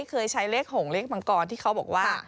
เคยใช้เลขห่งเลขมังกรที่เขาบอกว่า